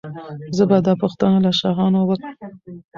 زه به دا پوښتنه له شاهانو وکړم.